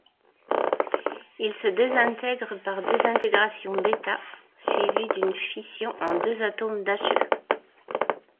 Il se désintègre par désintégration β- suivie d'une fission en deux atomes d'He.